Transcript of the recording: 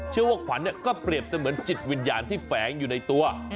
ว่าขวัญก็เปรียบเสมือนจิตวิญญาณที่แฝงอยู่ในตัว